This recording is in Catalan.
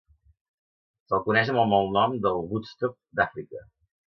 Se'l coneix amb el malnom del Woodstock d'Àfrica.